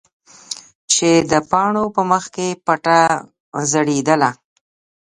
چې د پاڼو په منځ کې پټه ځړېدله.